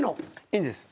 いいんです。